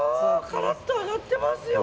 カラッと揚がってますよ。